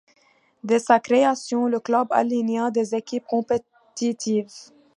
Dès sa création, le club aligna des équipes compétitives.